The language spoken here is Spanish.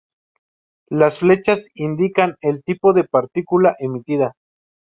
Las flechas indican el tipo de partícula emitida.